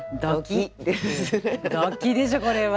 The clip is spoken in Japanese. ドキッでしょこれは。